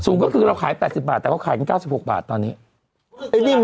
ก็คือเราขาย๘๐บาทแต่เขาขายกัน๙๖บาทตอนนี้